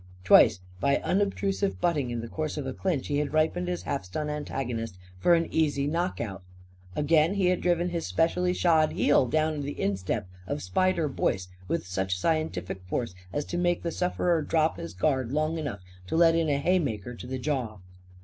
Twice, by unobtrusive butting, in the course of a clinch, he had ripened his half stunned antagonist for an easy knock out. Again, he had driven his specially shod heel down on the instep of Spider Boyce with such scientific force as to make the sufferer drop his guard long enough to let in a haymaker to the jaw.